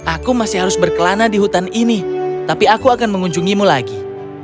aku masih harus berkelana di hutan ini tapi aku akan mengunjungimu lagi